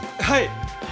はい。